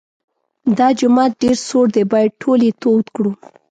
دا جومات ډېر سوړ دی باید ټول یې تود کړو.